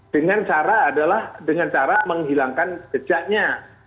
dengan cara menghilangkan jejaknya